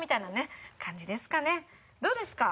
どうですか？